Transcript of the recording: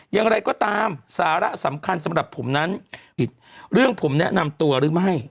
อย่างไรก็ตามสาระสำคัญสำหรับผมนั้นผิดเรื่องผมแนะนำตัวหรือไม่